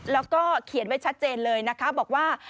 แล้วก็เขียนไว้ชัดเจนเลยนะคะบอกว่า